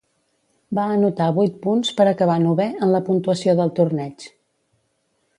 Va anotar vuit punts per acabar novè en la puntuació del torneig.